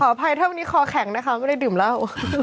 อภัยถ้าวันนี้คอแข็งนะคะไม่ได้ดื่มเหล้า